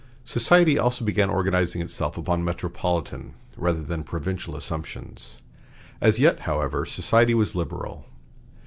Society also began organizing itself upon metropolitan rather than provincial assumptions. As yet, however society was liberal.